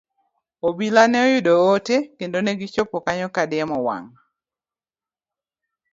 Obila ne oyudo ote, kendo gichopo kanyo ka diemo wang'.